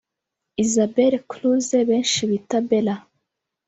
Isabella Cruise benshi bita Bella